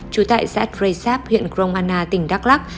chú tại saad reysab huyện gromana tỉnh đắk lắc